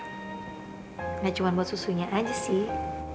tidak cuma buat susunya aja sih